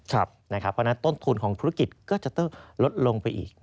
เพราะฉะนั้นต้นทุนของธุรกิจก็จะต้องลดลงไปอีก